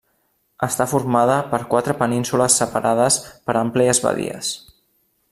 Està formada per quatre penínsules separades per àmplies badies.